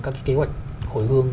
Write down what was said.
các cái kế hoạch hồi hương